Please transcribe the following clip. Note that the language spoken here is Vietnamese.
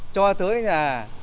cho tới nhà